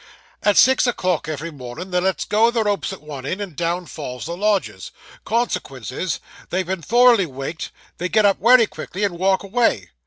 At six o'clock every mornin' they let's go the ropes at one end, and down falls the lodgers. Consequence is, that being thoroughly waked, they get up wery quietly, and walk away!